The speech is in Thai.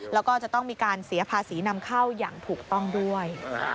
แล้วก็จะต้องมีการเสียภาษีนำเข้าอย่างถูกต้องด้วย